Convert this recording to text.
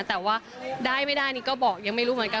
แต่ว่าได้ไม่ได้นี่ก็บอกยังไม่รู้เหมือนกัน